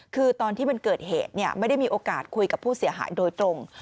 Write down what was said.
คือตอนที่มันเกิดเหตุไม่ได้มีโอกาสคุยกับผู้เสียหายโดยตรง